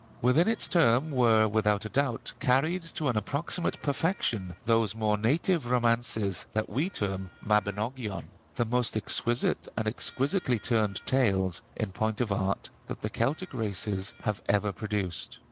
Within its term were, without a doubt, carried to an approximate perfection those more native romances that we term 'Mabinogion,' the most exquisite and exquisitely turned tales, in point of art, that the Celtic races have produced.